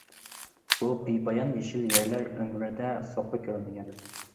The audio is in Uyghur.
بۇ بىپايان يېشىل يەرلەر ئۆمرىدە سوقا كۆرمىگەن.